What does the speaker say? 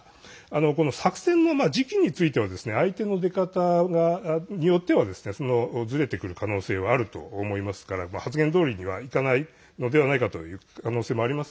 この作戦の時期については相手の出方によってはずれてくる可能性はあると思いますから発言どおりにはいかないのではないかという可能性もあります